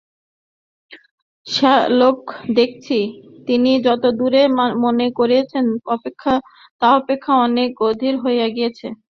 শ্যালক দেখিলেন, তিনি যত-দূর মনে করিয়াছিলেন তাহা অপেক্ষা অনেক অধিক হইয়া গিয়াছে।